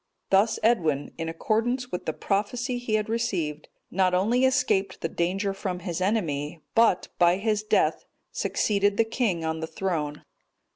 Thus Edwin, in accordance with the prophecy he had received, not only escaped the danger from his enemy, but, by his death, succeeded the king on the throne.